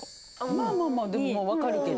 まあまあまあでもわかるけど。